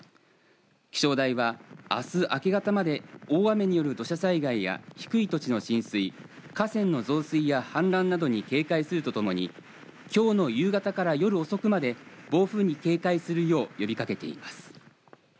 気象台はあす明け方まで、大雨による土砂災害や低い土地の浸水河川の増水や氾濫などに警戒するとともにきょうの夕方から夜遅くまで暴風に警戒するよう呼びかけています。